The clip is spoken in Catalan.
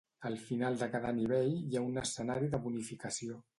Al final de cada nivell hi ha un escenari de bonificació.